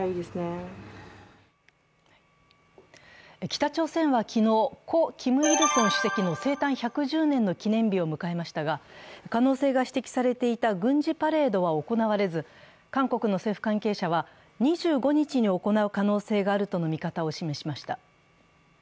北朝鮮は昨日、故キム・イルソン主席の生誕１１０年の記念日を迎えましたが可能性が指摘されていた軍事パレードは行われず、韓国の政府関係者は２５日に行う可能性があるとの見方を示しました。